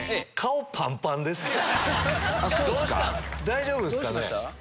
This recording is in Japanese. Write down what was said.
大丈夫ですかね。